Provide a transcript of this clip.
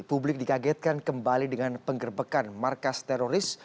publik dikagetkan kembali dengan penggerbekan markas teroris